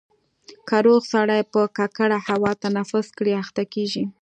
که روغ سړی په ککړه هوا تنفس کړي اخته کېږي.